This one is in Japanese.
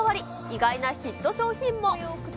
意外なヒット商品も。